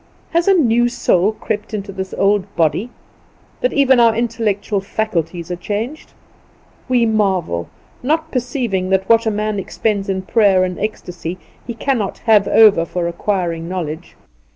Has a new soul crept into this old body, that even our intellectual faculties are changed? We marvel; not perceiving that what a man expends in prayer and ecstasy he cannot have over for acquiring knowledge.